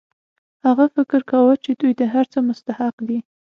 هغه فکر کاوه چې دوی د هر څه مستحق دي